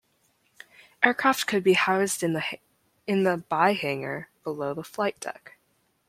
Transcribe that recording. Aircraft could be housed in the by hangar below the flight deck.